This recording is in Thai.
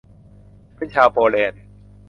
ฉันเป็นชาวโปแลนด์